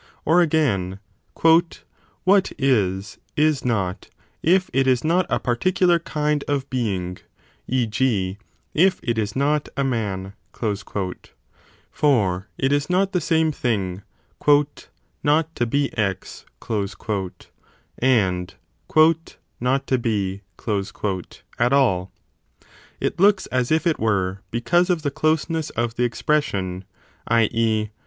Or again, l What is, is not, if it is not a particular kind of being, e. g. if it is not a man. For it is not the same thing 4 not to be x and not to be at all : it looks as if it were, because of the closeness of the expression, i. e.